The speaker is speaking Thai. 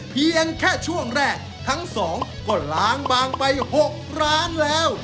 เพียงแค่ช่วงแรกทั้งสองก็ล้างบางไป๖ร้านแล้ว